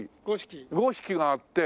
５色があって。